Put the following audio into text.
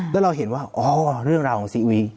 แล้วเราเห็นว่าอ๋อเรื่องราวของซีอุย